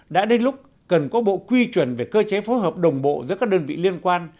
đã đến lúc cần có bộ quy chuẩn về cơ chế phối hợp đồng bộ giữa các đơn vị liên quan